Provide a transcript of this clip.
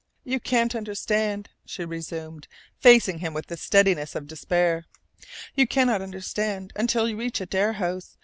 "You can't understand," she resumed, facing him with the steadiness of despair. "You cannot understand until you reach Adare House.